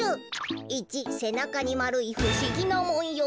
１せなかにまるいふしぎなもんよう。